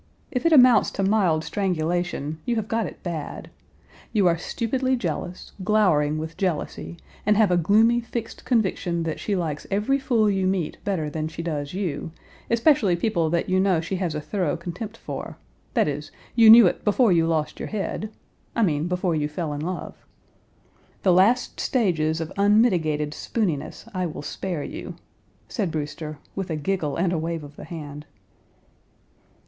If it amounts to mild strangulation, you have got it bad. You are stupidly jealous, glowering with jealousy, and have a gloomy fixed conviction that she likes every fool you meet better than she does you, especially people that you know she has a thorough contempt for; that is, you knew it before you lost your head, I mean, before you fell in love. The last stages of unmitigated spooniness, I will spare you," said Brewster, with a giggle and a wave of the hand.